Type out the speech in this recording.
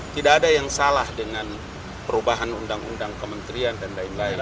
tidak ada yang salah dengan perubahan undang undang kementerian dan lain lain